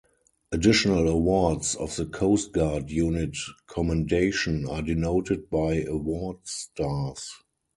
Additional awards of the Coast Guard Unit Commendation are denoted by award stars.